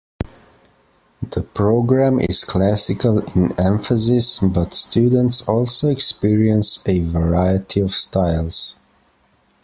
The program is classical in emphasis but students also experience a variety of styles.